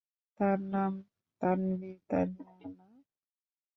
তার নাম তানভি, তানিয়া না।